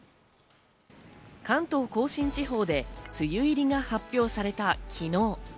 関東甲信地方で梅雨入りが発表された昨日。